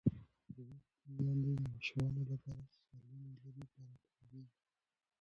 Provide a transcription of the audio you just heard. لوستې میندې د ماشوم لپاره سالمې لوبې برابروي.